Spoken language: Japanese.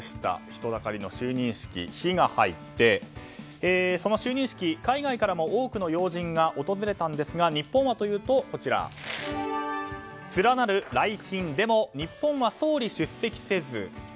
人だかりの就任式「ヒ」が入って、その就任式海外からも多くの要人が訪れたんですが、日本はというと連なる来賓でも日本は総理出席せず。